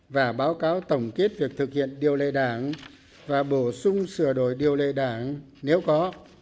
và báo cáo tổng kết việc thực hiện điều lệ đảng và bổ sung sửa đổi điều lệ đảng nếu có